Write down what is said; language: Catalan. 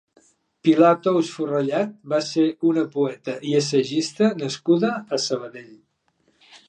Pilar Tous Forrellad va ser una poeta i assagista nascuda a Sabadell.